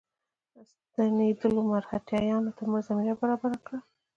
ستنېدلو مرهټیانو ته زمینه برابره کړه.